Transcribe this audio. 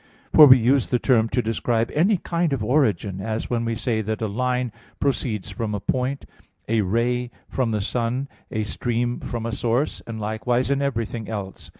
For we use the term to describe any kind of origin; as when we say that a line proceeds from a point, a ray from the sun, a stream from a source, and likewise in everything else.